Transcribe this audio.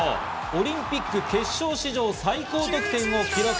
オリンピック決勝史上最高得点を記録。